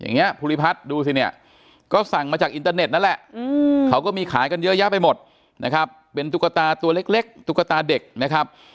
ภูริพัฒน์ดูสิเนี่ยก็สั่งมาจากอินเตอร์เน็ตนั่นแหละเขาก็มีขายกันเยอะแยะไปหมดนะครับเป็นตุ๊กตาตัวเล็กตุ๊กตาเด็กนะครับ